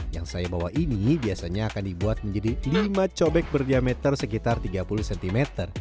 yang saya bawa ini biasanya akan dibuat menjadi lima cobek berdiameter sekitar tiga puluh cm